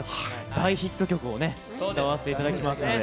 大ヒット曲を歌わせていただきますので。